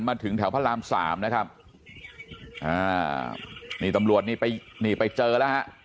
มาถึงแถวพระรามสามนะครับอ่านี่ตำรวจนี่ไปนี่ไปเจอแล้วฮะ